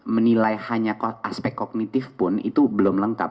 menilai hanya aspek kognitif pun itu belum lengkap